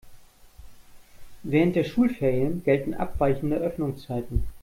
Während der Schulferien gelten abweichende Öffnungszeiten.